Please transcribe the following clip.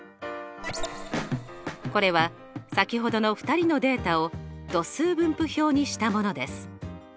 これは先ほどの２人のデータを度数分布表にしたものです。